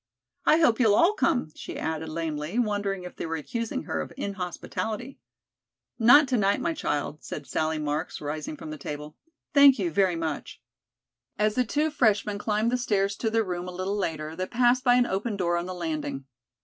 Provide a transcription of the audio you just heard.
"I hope you'll all come," she added lamely, wondering if they were accusing her of inhospitality. "Not to night, my child," said Sally Marks, rising from the table. "Thank you, very much." As the two freshmen climbed the stairs to their room a little later, they passed by an open door on the landing.